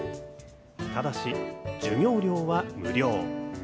ただし、授業料は無料。